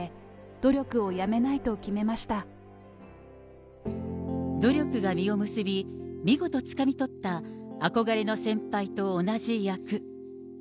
努力が実を結び、見事つかみ取った、憧れの先輩と同じ役。